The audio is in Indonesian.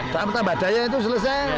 tampak badaya itu selesai